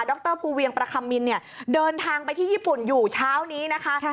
รภูเวียงประคัมมินเนี่ยเดินทางไปที่ญี่ปุ่นอยู่เช้านี้นะคะ